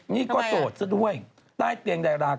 นี่ก็โสดซะด้วยใต้เตียงดารา